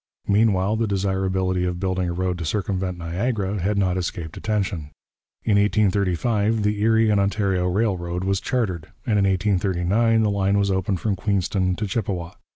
Meanwhile, the desirability of building a road to circumvent Niagara had not escaped attention. In 1835 the Erie and Ontario Railroad was chartered, and in 1839 the line was opened from Queenston to Chippawa.